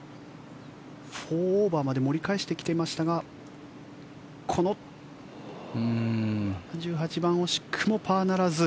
４オーバーまで盛り返していきましたがこの１８番惜しくもパーならず。